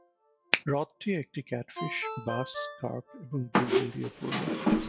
হ্রদটি একটি catfish, bass, carp এবং bluegill দিয়ে পূর্ণ।